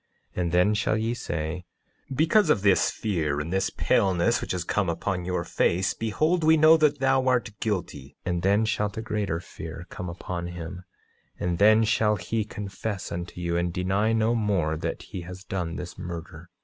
9:34 And then shall ye say: Because of this fear and this paleness which has come upon your face, behold, we know that thou art guilty. 9:35 And then shall greater fear come upon him; and then shall he confess unto you, and deny no more that he has done this murder.